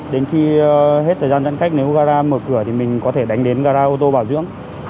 đến khi hết thời gian giãn cách nếu ugara mở cửa thì mình có thể đánh đến gara ô tô bảo dưỡng